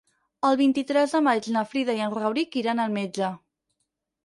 El vint-i-tres de maig na Frida i en Rauric iran al metge.